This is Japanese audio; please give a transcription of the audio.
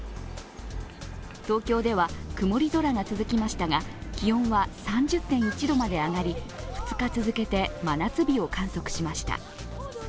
東京では曇り空が続きましたが、気温は３０．１度まで上がり２日続けて真夏日を観測しました。